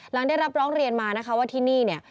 หลังได้รับร้องเรียนมานะคะว่าที่นี่เนี่ย